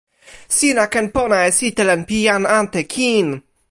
sina ken pona e sitelen pi jan ante kin.